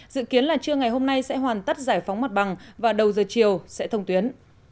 dự kiến là trưa ngày hôm nay sẽ hoàn tất giải phóng mặt bằng và đầu giờ chiều sẽ thông tuyến